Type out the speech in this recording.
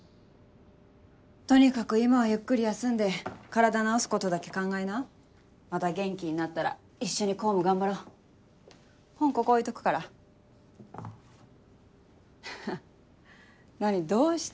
とにかく今はゆっくり休んで体治また元気になったら一緒に公務頑張ろ本ここ置いとくからハハ何どうした？